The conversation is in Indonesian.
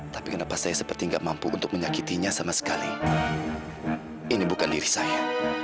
sampai jumpa di video selanjutnya